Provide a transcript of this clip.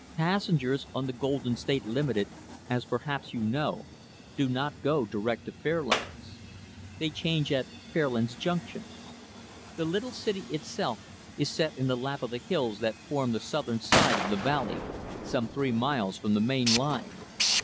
Passengers on the Golden State Limited as perhaps you know do not go direct to Fairlands. They change at Fairlands Junction. The little city, itself, is set in the lap of the hills that form the southern side of the valley, some three miles from the main line.